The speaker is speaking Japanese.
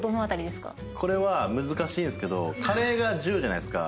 これは難しいんですけどカレーが１０じゃないですか。